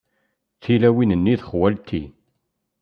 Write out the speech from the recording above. Tilawin-nni d xwalti.